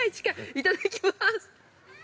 いただきます。